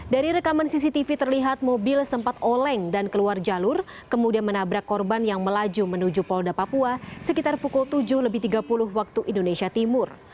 dari rekaman cctv terlihat mobil sempat oleng dan keluar jalur kemudian menabrak korban yang melaju menuju polda papua sekitar pukul tujuh lebih tiga puluh waktu indonesia timur